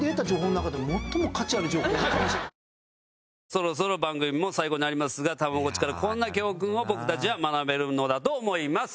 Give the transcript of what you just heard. そろそろ番組も最後になりますがたまごっちからこんな教訓を僕たちは学べるのだと思います。